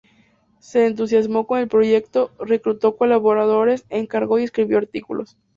Se entusiasmó con el proyecto, reclutó colaboradores, encargó y escribió artículos.